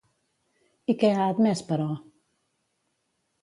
I què ha admès, però?